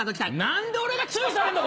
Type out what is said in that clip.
何で俺が注意されんの！